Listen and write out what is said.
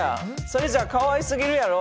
それじゃかわいすぎるやろ。